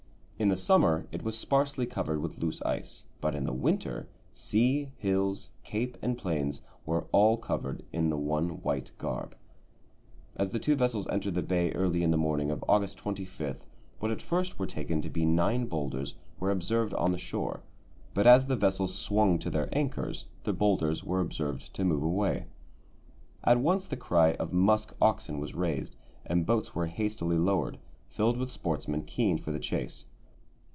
In the summer it was sparsely covered with loose ice, but in the winter, sea, hills, cape, and plains were all covered in the one white garb. As the two vessels entered the bay early on the morning of August 25, what at first were taken to be nine boulders were observed on the shore; but as the vessels swung to their anchors, the boulders were observed to move away. At once the cry of "musk oxen" was raised, and boats were hastily lowered, filled with sportsmen keen for the chase.